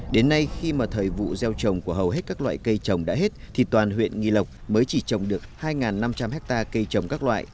đến nay khi mà thời vụ gieo trồng của hầu hết các loại cây trồng đã hết thì toàn huyện nghi lộc mới chỉ trồng được hai năm trăm linh hectare cây trồng các loại